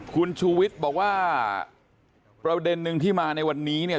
คุณชูวิทย์บอกว่าประเด็นนึงที่มาในวันนี้เนี่ย